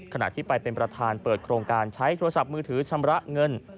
ขณะที่ไปเป็นประธานเปิดโครงการใช้โทรศัพท์มือถือชำระเงิน